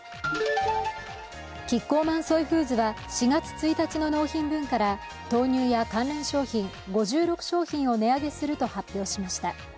キッコーマンソイフーズは４月１日の納品分から豆乳や関連商品５６商品を値上げすると発表しました。